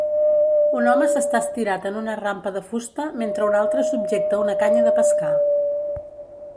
Un home s'està estirat en una rampa de fusta mentre un altre subjecta una canya de pescar.